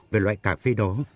về loại cà phê đó